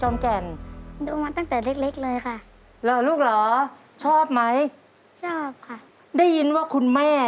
โอ๊ยเกินแล้ว